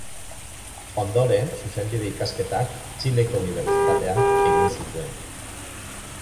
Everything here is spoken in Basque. Ondoren zuzenbide ikasketak Txileko Unibertsitatean egin zituen.